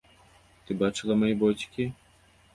Ты бачыла мае боцікі?